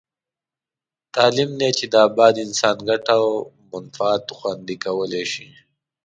تعلیم دی چې د اباد انسان ګټه او منفعت خوندي کولای شي.